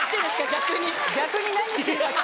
逆に。